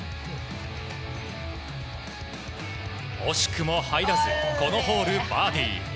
惜しくも入らずこのホール、バーディー。